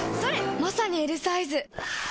まさにＬサイズ！